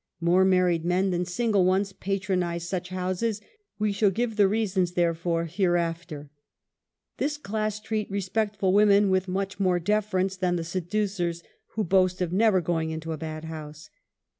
More married men than single ones patronize such houses. We shall give the reasons therefor hereafter This class treat respectful women with much more deference than the seducers wdio boast of never going to a bad house.